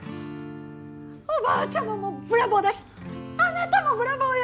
おばあちゃまもブラボーだしあなたもブラボーよ！